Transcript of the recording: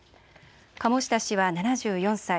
鴨下氏は７４歳。